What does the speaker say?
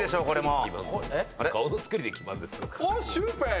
これ。